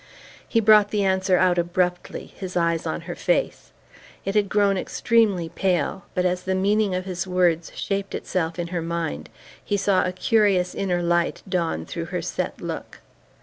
He brought the answer out abruptly, his eyes on her face. It had grown extremely pale, but as the meaning of his words shaped itself in her mind he saw a curious inner light dawn through her set look.